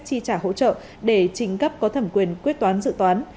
chi trả hỗ trợ để trình cấp có thẩm quyền quyết toán dự toán